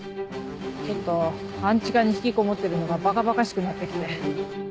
ちょっと半地下に引きこもってるのがばかばかしくなって来て。